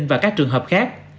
và các trường hợp khác